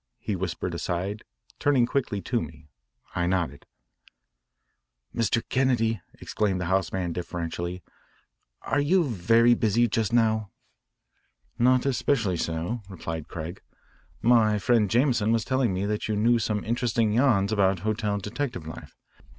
he whispered aside, turning quickly to me. I nodded. "Mr. Kennedy," exclaimed the house man deferentially, "are you very busy just now?" "Not especially so," replied Craig. "My friend Jameson was telling me that you knew some interesting yarns about hotel detective life.